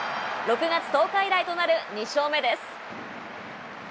６月１０日以来となる２勝目です。